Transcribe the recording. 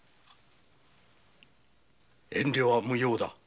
遠慮は無用。